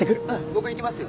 僕行きますよ。